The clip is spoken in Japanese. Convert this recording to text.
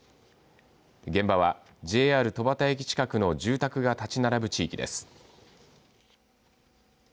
現場は、ＪＲ戸畑駅近くの住宅が建ち並ぶ地域です。